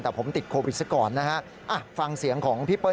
แต่ผมติดโควิดซะก่อนนะฮะอ่ะฟังเสียงของพี่เปิ้ล